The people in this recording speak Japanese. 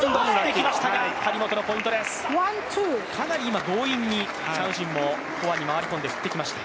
かなり今、強引に、チャン・ウジンもフォアに回り込んで振ってきました。